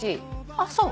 あっそう？